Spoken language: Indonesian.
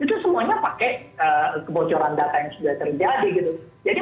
itu semuanya pakai kebocoran data yang sudah terjadi gitu